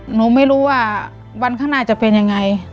หนูไม่รู้ว่าวันข้างหน้าจะเป็นยังไง